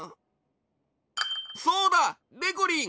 そうだでこりん！